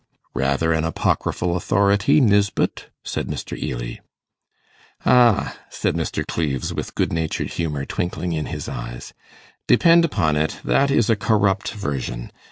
'Rather an apocryphal authority, Nisbett,' said Mr. Ely. 'Ah,' said Mr. Cleves, with good natured humour twinkling in his eyes, 'depend upon it, that is a corrupt version.